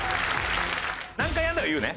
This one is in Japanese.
「何回やるんだ！」は言うね？